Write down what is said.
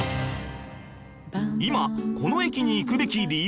今この駅に行くべき理由